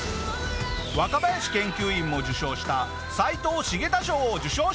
若林研究員も受賞した斎藤茂太賞を受賞したんだ！